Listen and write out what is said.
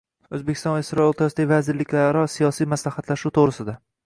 O‘zbekiston va Isroil o‘rtasidagi vazirliklararo siyosiy maslahatlashuv to‘g‘risida